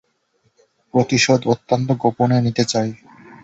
প্রতিশোধ অত্যন্ত গোপনে নিতে চাই।